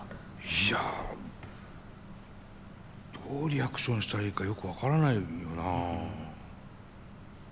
いやどうリアクションしたらいいかよく分からないよな。